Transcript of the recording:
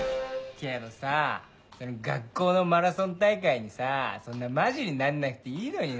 けどさ学校のマラソン大会にさそんなマジになんなくていいのにな。